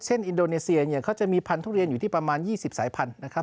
เช่นอินโดเนเซียเขาจะมีพันธุ์ทุเรียนอยู่ที่ประมาณ๒๐สายพันธุ์